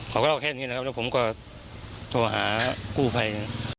เขาก็เล่าแค่นี้นะครับแล้วผมก็โทรหากู้ภัย